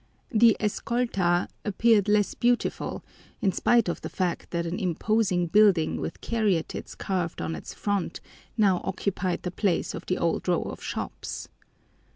The Escolta appeared less beautiful in spite of the fact that an imposing building with caryatids carved on its front now occupied the place of the old row of shops.